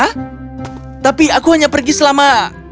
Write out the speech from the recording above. hah tapi aku hanya pergi selama